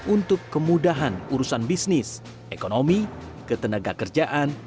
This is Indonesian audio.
untuk kemudahan urusan bisnis ekonomi ketenaga kerjaan